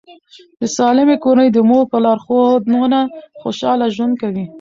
د سالمې کورنۍ د مور په لارښوونه خوشاله ژوند کوي.